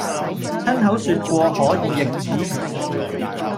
親口説過可以「易子而食」；